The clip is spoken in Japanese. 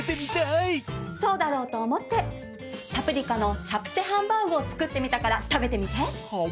そうだろうと思ってパプリカのチャプチェハンバーグを作ってみたから食べてみて。